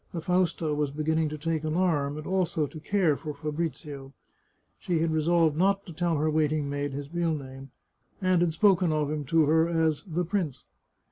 The Fausta was beginning to take alarm, and also to care for Fabrizio. She had resolved not to tell her waiting maid his real name, and had spoken of him to her as " the prince."